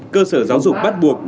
cơ sở giáo dục bắt buộc